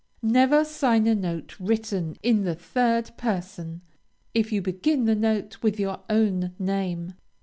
Never sign a note written in the third person, if you begin the note with your own name.